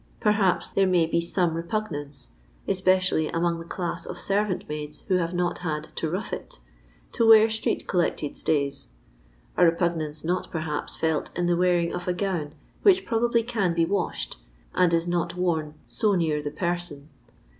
Perhaps, there may be some repugnance I — especially among the class of servant maids j who have not had " to rough it" — to wear street collected stays; a repugnance not, perhaps, felt in the wearing of a gown which probably can be washed, and is not worn so near the person.